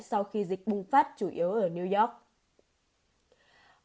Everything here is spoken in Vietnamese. sau khi dịch bùng phát chủ yếu ở new york